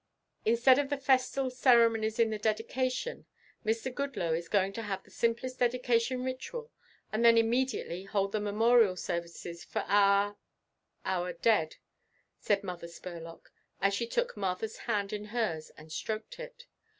"Instead of the festal ceremonies in the dedication Mr. Goodloe is going to have the simplest dedication ritual and then immediately hold the memorial services for our our dead," said Mother Spurlock, as she took Martha's hand in hers and stroked it.